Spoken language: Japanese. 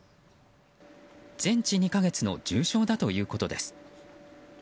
全治２か月の重傷だということです。